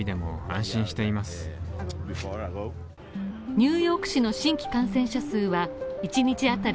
ニューヨーク市の新規感染者数は１日当たり